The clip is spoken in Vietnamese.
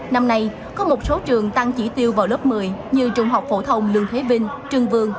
năm nay có một số trường tăng chỉ tiêu vào lớp một mươi như trung học phổ thông lương thế vinh trường vương